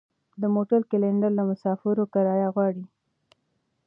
د موټر کلینډر له مسافرو کرایه غواړي.